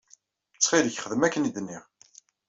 Ttxil-k, xdem akken i d-nniɣ.